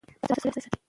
ساده سړی خدای ساتي .